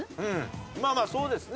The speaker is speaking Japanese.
まあまあそうですね。